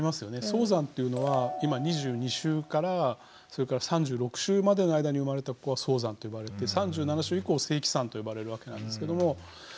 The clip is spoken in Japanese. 早産っていうのは今２２週からそれから３６週までの間に生まれた子は早産と呼ばれて３７週以降正期産と呼ばれるわけなんですけども。